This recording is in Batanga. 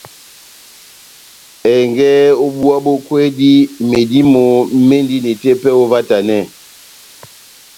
Ɛngɛ ó búwa bó kwédi, medímo médini tepɛhɛ óvahtanɛ ?